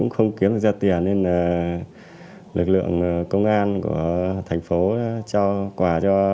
không kiếm được ra tiền nên lực lượng công an của thành phố cho quà cho bọn em